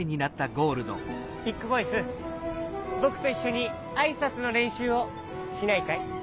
ビッグボイスぼくといっしょにあいさつのれんしゅうをしないかい？